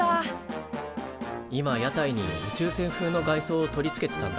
今屋台に宇宙船風の外装を取り付けてたんだ。